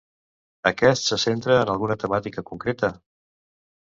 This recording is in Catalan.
Aquest se centra en alguna temàtica concreta?